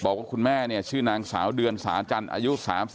บอกว่าคุณแม่เนี่ยชื่อนางสาวเดือนสาจันทร์อายุ๓๒